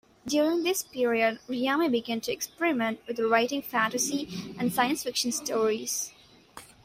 During this period, Reamy began to experiment with writing fantasy and science fiction stories.